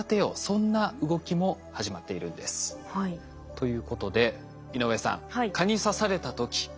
ということで井上さん蚊に刺された時気付きますか？